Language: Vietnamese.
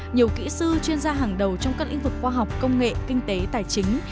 nhiều kỹ sư chuyên gia hàng đầu trong các lĩnh vực khoa học công nghệ kinh tế tài chính